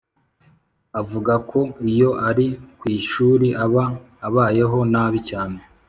avuga ko iyo ari kwishuri aba abayeho nabi cyane